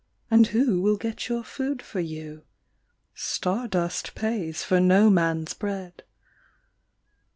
And who will get your food for you? Star dust pays for no man s bread.